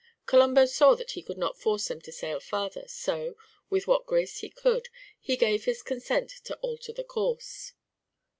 Colombo saw that he could not force them to sail farther, so, with what grace he could, he gave his consent to alter the course.